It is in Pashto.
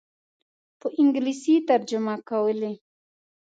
په انګلیسي ترجمه کولې.